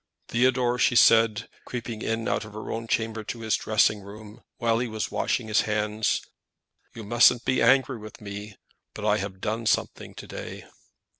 "Theodore," she said, creeping in out of her own chamber to his dressing room, while he was washing his hands, "you mustn't be angry with me, but I have done something to day."